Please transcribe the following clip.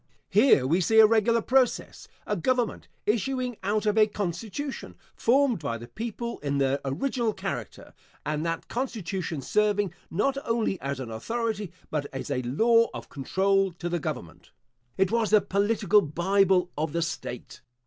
Here we see a regular process a government issuing out of a constitution, formed by the people in their original character; and that constitution serving, not only as an authority, but as a law of control to the government. It was the political bible of the state.